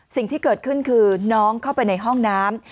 สิ่งที่เกิดขึ้นคือน้องเข้าไปในห้องน้ำ